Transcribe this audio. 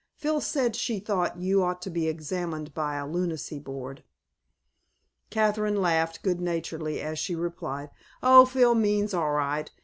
Phyl said she thought you ought to be examined by a lunacy board." Kathryn laughed good naturedly as she replied: "Oh, Phyl means all right.